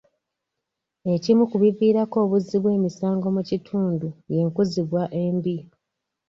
Ekimu ku biviirako obuzzi bw'emisango mu kitundu y'enkuzibwa embi.